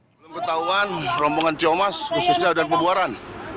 belum ketahuan rombongan cio mas khususnya dan pebuaran